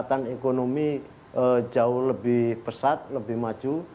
kekuatan ekonomi jauh lebih pesat lebih maju